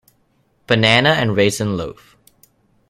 Banana and raisin loaf.